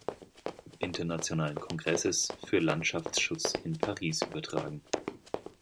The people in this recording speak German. Internationalen Kongresses für Landschaftsschutz in Paris übertragen.